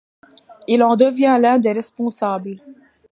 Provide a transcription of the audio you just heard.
Il en devient l'un des responsables.